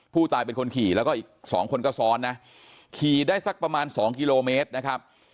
ผู้ตายเป็นคนขี่แล้วก็อีกสองคนก็ซ้อนนะขี่ได้สักประมาณสองกิโลเมตรนะครับ